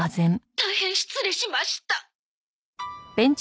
大変失礼しました。